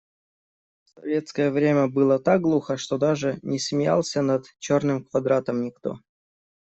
В советское время было так глухо, что даже не смеялся над «Черным квадратом» никто.